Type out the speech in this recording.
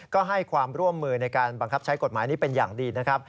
ก็ให้ความร่วมมือในการบังคับใช้กฎหมายนี้เป็นอย่างดีนะครับ